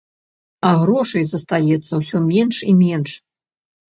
А грошай застаецца ўсё менш і менш.